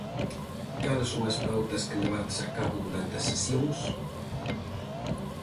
Cales son as pautas que levades a cabo durante as sesións?